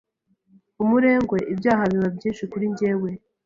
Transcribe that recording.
umurengwe ibyaha biba byinshi kuri njyewe